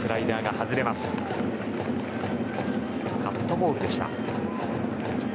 カットボールでした。